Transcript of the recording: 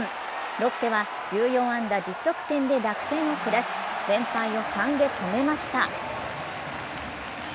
ロッテは１４安打１０得点で楽天を下し、連敗を３で止めました。